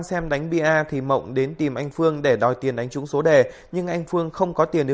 xin chào và hẹn gặp lại